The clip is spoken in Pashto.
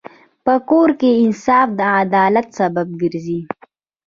په کور کې انصاف د عدالت سبب ګرځي.